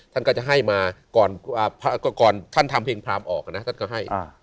ท่านก็จะให้มาก่อนท่านทำเพลงพรามออกนะท่านก็ให้